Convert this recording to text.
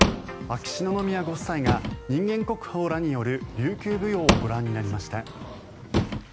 秋篠宮ご夫妻が人間国宝らによる琉球舞踊をご覧になりました。